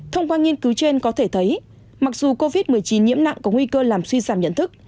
thông qua nghiên cứu trên có thể thấy mặc dù covid một mươi chín nhiễm nặng có nguy cơ làm suy giảm nhận thức